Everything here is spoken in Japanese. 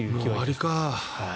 終わりか。